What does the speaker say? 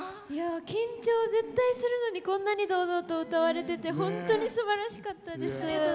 緊張絶対するのにこんなに堂々と歌われてて本当にすばらしかったです。